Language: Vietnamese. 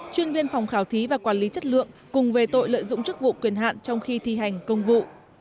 chuyên viên phòng khảo thí và quản lý chất lượng cùng về tội lợi dụng chức vụ quyền hạn trong khi thi hành công vụ